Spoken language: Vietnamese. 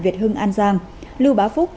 việt hưng an giang lưu bá phúc